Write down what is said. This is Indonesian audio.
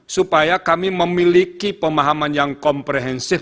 supaya kami memiliki pemahaman yang komprehensif